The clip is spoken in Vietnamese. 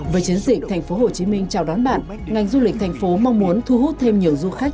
với chiến dịch tp hcm chào đón bạn ngành du lịch thành phố mong muốn thu hút thêm nhiều du khách